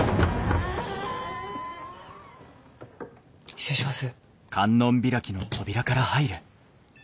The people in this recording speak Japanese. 失礼します。